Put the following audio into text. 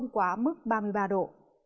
quá mức ba mươi ba độ